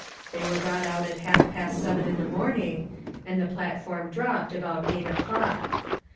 They were brought out at half past seven in the morning, and the platform dropped about eight o'clock.